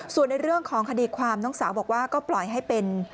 ส่วนในเรื่องของคดีความน้องสาวบอกว่าก็ปล่อยให้เป็น